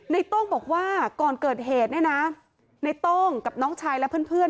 โต้งบอกว่าก่อนเกิดเหตุเนี่ยนะในโต้งกับน้องชายและเพื่อน